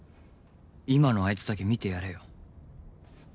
今のあいつだけ見てやれよ